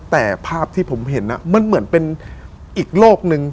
แต่ภาพที่ผมเห็นมันเหมือนเป็นอีกโลกนึง